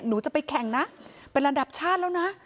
หนูจะไปแข่งนะเป็นระดับชาติแล้วนะ